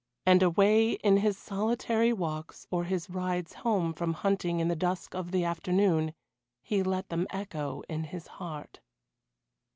And away in his solitary walks, or his rides home from hunting in the dusk of the afternoon, he let them echo in his heart.